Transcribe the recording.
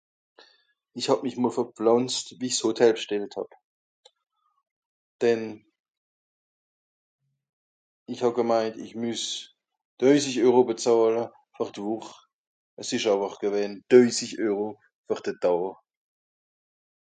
ìsch hàb mi mòl verpflànzt wies hòtel b'stellt hàb den ìsch hà gemeint ìsch müss deuzisch euro bezàhle fer d'wòch à s'esch àwer gewänn deuzisch euro fer de daa